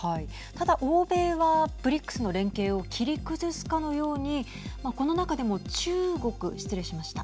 ただ、欧米はＢＲＩＣＳの連携を切り崩すかのようにこの中でも中国、失礼しました。